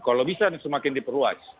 kalau bisa semakin diperluas